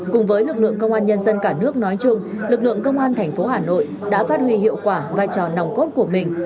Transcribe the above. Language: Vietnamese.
cùng với lực lượng công an nhân dân cả nước nói chung lực lượng công an thành phố hà nội đã phát huy hiệu quả vai trò nòng cốt của mình